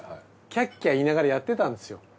キャッキャッ言いながらやってたんですよ。